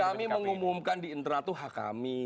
kami mengumumkan di internal itu hak kami